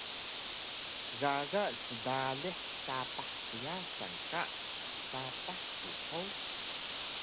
Gaga sdalih sapah pyasan ka sapah su hug?